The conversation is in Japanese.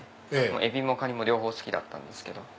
エビもカニも両方好きだったんです。